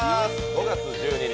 ５月１２日